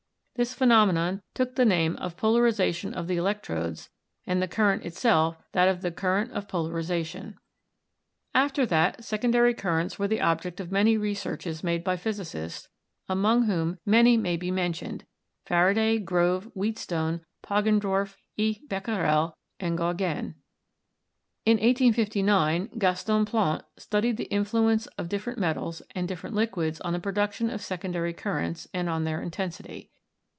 This phenomenon took the name of 'polariza tion of the electrodes' and the current itself that of the 'current of polarization.' After that, secondary currents were the object of many researches made by physicists, among whom may be men tioned Faraday, Grove, Wheatstone, Poggendorff, E. Bec querel and Gaugian. In 1859, Gaston Plante studied the influence of different metals and different liquids on the production of secondary currents, and on their intensity.